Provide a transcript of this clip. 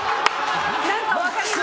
何か分かります？